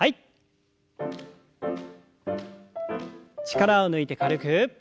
力を抜いて軽く。